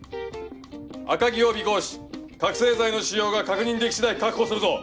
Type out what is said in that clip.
赤城を尾行し覚醒剤の使用が確認でき次第確保するぞ。